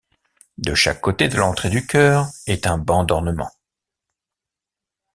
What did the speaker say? De chaque côté de l'entrée du chœur est un banc d'ornement.